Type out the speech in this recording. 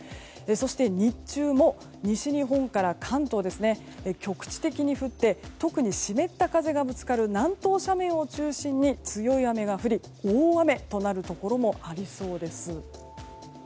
そして、日中も西日本から関東で局地的に降って特に湿った風がぶつかる南東方面を中心に強い雨が降り大雨となるところもありそうです。